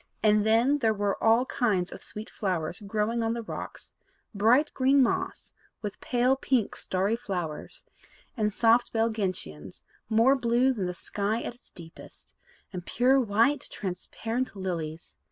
And then there were all kinds of sweet flowers growing on the rocks, bright green moss, with pale pink starry flowers, and soft belled gentians, more blue than the sky at its deepest, and pure white transparent lilies.